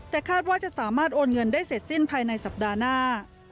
แต่คาดว่าจะสามารถโอนเงินได้เสร็จสิ้นภายในสัปดาห์หน้า